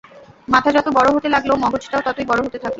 মাথা যত বড় হতে লাগল, মগজটাও ততই বড় হতে থাকল।